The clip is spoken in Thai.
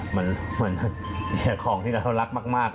เหมือนเสียของที่เรารักมาก